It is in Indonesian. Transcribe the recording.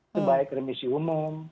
sebaik remisi umum